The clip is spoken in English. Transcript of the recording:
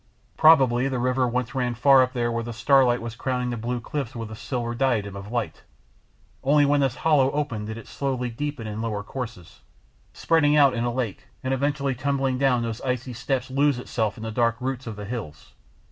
Probably the river once ran far up there where the starlight was crowning the blue cliffs with a silver diadem of light, only when this hollow opened did it slowly deepen a lower course, spreading out in a lake, and eventually tumbling down those icy steps lose itself in the dark roots of the hills.